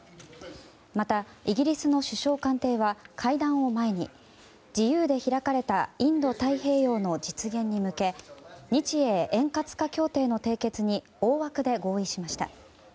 また、イギリスの首相官邸は会談を前に自由で開かれたインド太平洋の実現に向け日英円滑化協定の締結に大枠で合意しました。